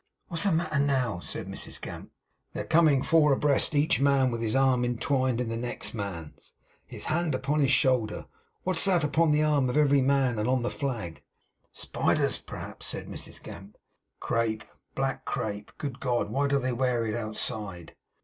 'What's the matter now?' said Mrs Gamp. 'They're coming four abreast, each man with his arm entwined in the next man's, and his hand upon his shoulder. What's that upon the arm of every man, and on the flag?' 'Spiders, p'raps,' said Mrs Gamp. 'Crape! Black crape! Good God! why do they wear it outside?